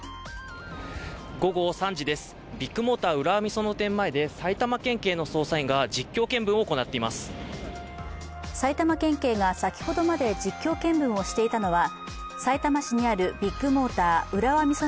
午後３時です、ビッグモーター浦和美園店前で埼玉県警の捜査員が埼玉県警が先ほどまで実況見分をしていたのはさいたま市にあるビッグモーター浦和美園